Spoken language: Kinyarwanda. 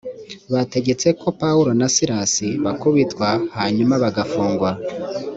bategetse ko pawulo na silasi bakubitwa hanyuma bagafungwa